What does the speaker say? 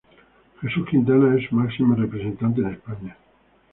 Jesús Quintana es su máximo representante en España.